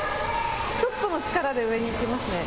ちょっとの力で上に行きますね。